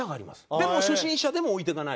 でも初心者でも置いていかない。